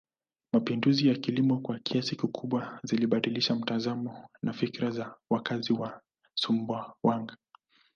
Mapinduzi ya kilimo kwa kiasi kikubwa zilibadilisha mtazamo na fikra za wakazi wa Sumbawanga